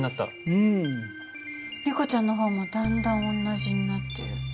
リコちゃんの方もだんだん同じになってる。